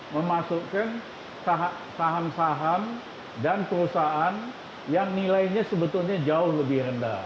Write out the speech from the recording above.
memasukkan saham saham dan perusahaan yang nilainya sebetulnya jauh lebih rendah